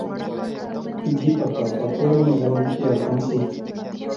جی پہاپا۔ پہاپے ہوریں نی گل میں کیا حکم سی